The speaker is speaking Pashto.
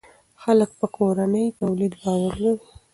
خلک په کورني تولید باور لري.